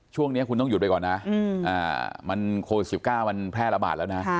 ช่วงนี้คุณต้องหยุดไปก่อนนะมันโควิด๑๙มันแพร่ระบาดแล้วนะ